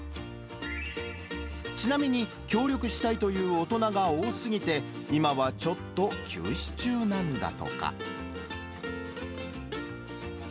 ちなみに、協力したいという大人が多すぎて、今はちょっと休止中なんだとか。